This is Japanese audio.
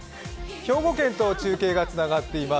兵庫県と中継がつながっています。